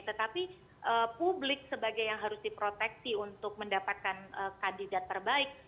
tetapi publik sebagai yang harus diproteksi untuk mendapatkan kandidat terbaik